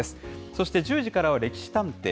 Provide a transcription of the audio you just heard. そして、１０時からは歴史探偵。